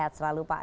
sehat selalu pak